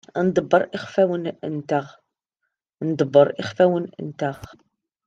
Nḍebber iɣfawen-nteɣ.